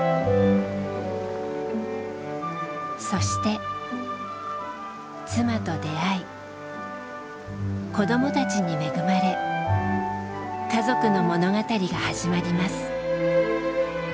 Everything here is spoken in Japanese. そして妻と出会い子どもたちに恵まれ家族の物語が始まります。